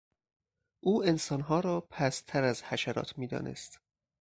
او انسانها را پستتر از حشرات میدانست.